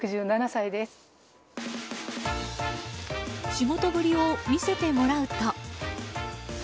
仕事ぶりを見せてもらうと。